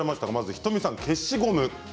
仁美さんは消しゴム。